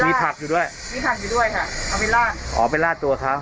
มีผักอยู่ด้วยมีผักอยู่ด้วยค่ะเอาไปลาดอ๋อไปลาดตัวเขา